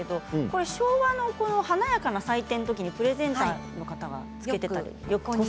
昭和の華やかな祭典の時にプレゼンターの方が着けていましたね。